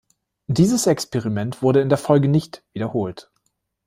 Dieses Experiment wurde in der Folge nicht wiederholt.